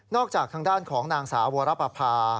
จากทางด้านของนางสาววรปภา